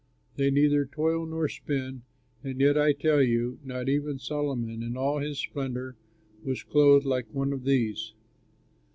They neither toil nor spin, and yet I tell you, not even Solomon in all his splendor was clothed like one of these.